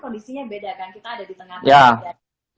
kondisinya beda kan kita ada di tengah tengah